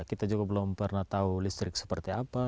kita juga belum pernah tahu listrik seperti apa